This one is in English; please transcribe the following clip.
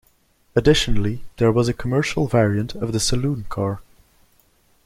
Additionally there was a commercial variant of the saloon car.